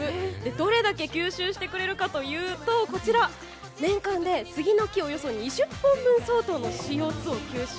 どれだけ吸収してくれるかというと年間でスギの木およそ２０本分相当のＣＯ２を吸収。